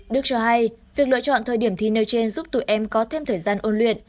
đức cho hay việc lựa chọn thời điểm thi nêu trên giúp tụi em có thêm thời gian ôn luyện